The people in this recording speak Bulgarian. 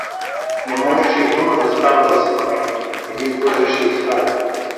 Не можеше и дума да става за спане, не ни сдържаше и в стаята.